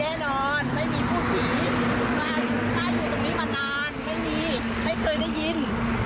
ป้าอยู่ตรงนี้มานานไม่มีไม่เคยได้ยิน